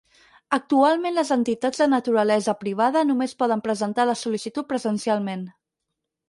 Actualment les entitats de naturalesa privada només poden presentar la sol·licitud presencialment.